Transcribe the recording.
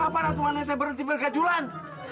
kenapa gue berhenti bergajulan